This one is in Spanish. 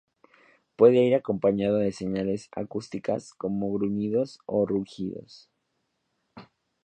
Puede ir acompañado de señales acústicas, como gruñidos o rugidos.